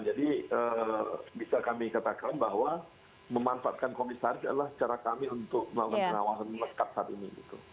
jadi bisa kami katakan bahwa memanfaatkan komisaris adalah cara kami untuk melakukan pengawasan lekat saat ini